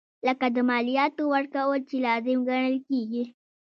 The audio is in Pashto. لکه د مالیاتو ورکول چې لازم ګڼل کیږي.